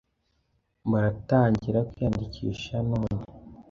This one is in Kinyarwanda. baratangira kwiyandikisha none